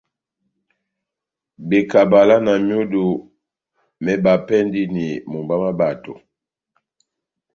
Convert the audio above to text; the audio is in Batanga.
Bekabala na myudu mébapɛndini mumba má bato.